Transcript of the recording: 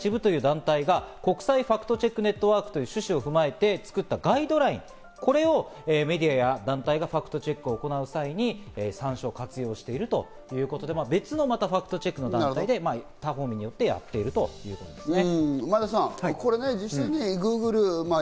ファクトチェック・イニシアティブという団体が、国際ファクトチェック・ネットワークという趣旨を踏まえて作ったガイドライン、これをメディアや団体がファクトチェックを行う際に参照・活用しているということで、また別のファクトチェックの団体で、多方面でやっているということですね。